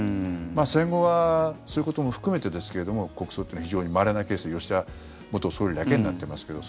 戦後はそういうことも含めてですけれども国葬というのは非常にまれなケース吉田元総理だけになっていますけど。